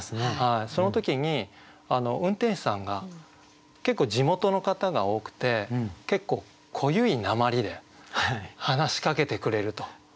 その時に運転手さんが結構地元の方が多くて結構濃ゆい訛で話しかけてくれると。